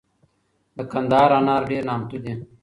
دکندهار انار دیر نامتو دي